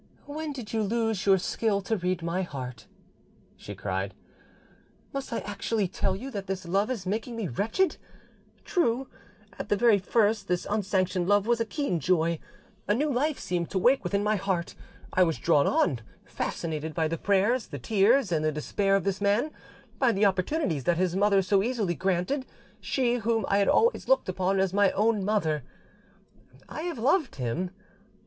"When did you lose your skill to read my heart?" she cried. "Must I actually tell you that this love is making me wretched? True, at the very first this unsanctioned love was a keen joy: a new life seemed to wake within my heart; I was drawn on, fascinated by the prayers, the tears, and the despair of this man, by the opportunities that his mother so easily granted, she whom I had always looked upon as my own mother; I have loved him....